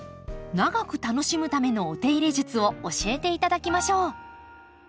長く楽しむためのお手入れ術を教えて頂きましょう。